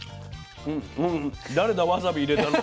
誰だわさび入れたのは。